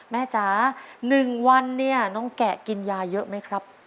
จ๋า๑วันเนี่ยน้องแกะกินยาเยอะไหมครับ